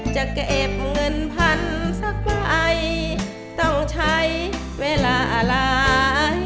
จะเก็บเงินพันสักใบต้องใช้เวลาหลาย